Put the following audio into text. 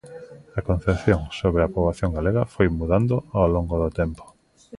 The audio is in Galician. A concepción sobre a poboación galega foi mudando ao longo do tempo.